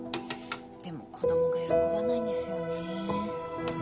でも子供が喜ばないんですよね。